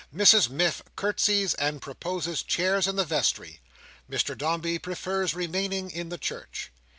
Mrs Miff curtseys and proposes chairs in the vestry. Mr Dombey prefers remaining in the church.